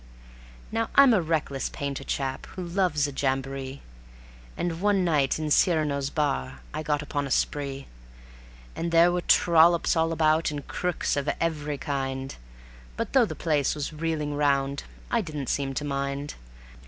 Now I'm a reckless painter chap who loves a jamboree, And one night in Cyrano's bar I got upon a spree; And there were trollops all about, and crooks of every kind, But though the place was reeling round I didn't seem to mind.